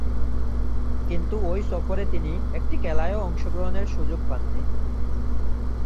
কিন্তু ঐ সফরে তিনি একটি খেলায়ও অংশগ্রহণের সুযোগ পাননি।